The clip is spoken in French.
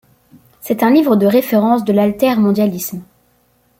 C'est un livre de référence de l'altermondialisme.